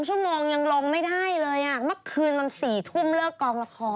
ชั่วโมงยังลงไม่ได้เลยอ่ะเมื่อคืนมัน๔ทุ่มเลิกกองละคร